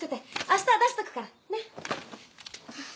明日出しとくからねっ。